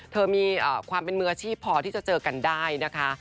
มีความเป็นมืออาชีพพอที่จะเจอกันได้นะคะ